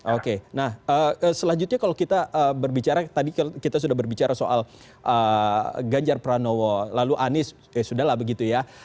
oke nah selanjutnya kalau kita berbicara tadi kita sudah berbicara soal ganjar pranowo lalu anies ya sudah lah begitu ya